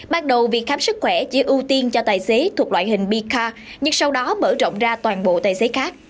ban đầu việc khám sức khỏe chỉ ưu tiên cho tài xế thuộc loại hình bk nhưng sau đó mở rộng ra toàn bộ tài xế khác